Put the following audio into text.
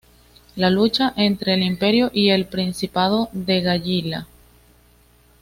La lucha entre el Imperio y el Principado de Gallia.